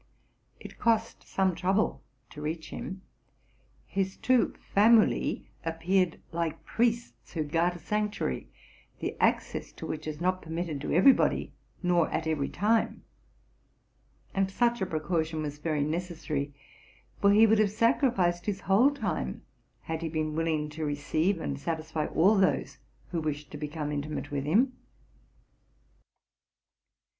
It cost some trouble to reach him. His two Famuli appeared like priests who guard a sanctuary, the access to which is not permitted to every body, nor at every time: and such a precaution was very necessary ; for he would have sacrificed his whole time, had he been willing to receive and satisfy all those who wished to become intimate with him.